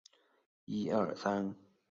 角色设计由板仓耕一担当。